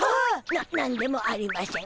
な何でもありましぇん。